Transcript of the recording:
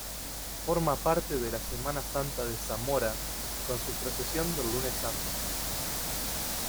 Forma parte de la Semana Santa de Zamora con su procesión del Lunes Santo.